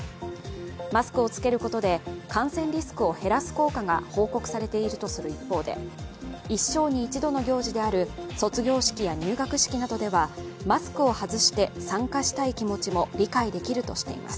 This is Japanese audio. マスクを着けることで感染リスクを減らす効果が報告されているとする一方で一生に一度の行事である卒業式や入学式などではマスクを外して参加したい気持ちも理解できるとしています。